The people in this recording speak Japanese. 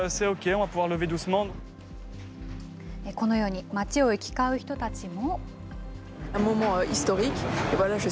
このように、街を行き交う人たちも。